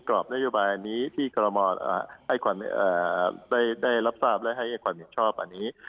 กรอบนโยบายอันนี้ที่กรมได้รับทราบและให้ความเห็นชอบอันนี้